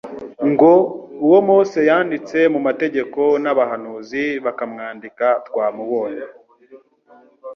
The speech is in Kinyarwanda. ngo: «Uwo Mose yanditse mu mategeko, n'abahanuzi bakamwandika twamubonye.»